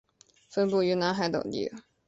分布于海南等地。